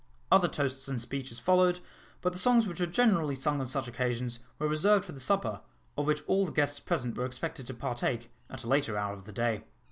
Other toasts and speeches followed, but the songs which were generally sung on such occasions were reserved for the supper, of which all the guests present were expected to partake, at a later hour of the day.